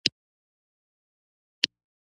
لرغونپوهان یې ستورو جګړه ګڼي